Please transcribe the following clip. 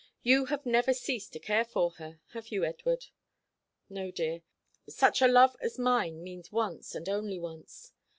You have never ceased to care for her, have you, Edward?" "No, dear; such a love as mine means once, and once only.